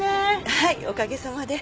はいおかげさまで。